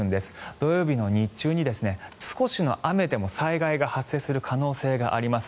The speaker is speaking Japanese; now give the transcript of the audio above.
土曜日の日中に少しの雨でも災害が発生する可能性があります。